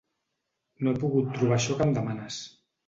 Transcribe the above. No he pogut trobar això que em demanes.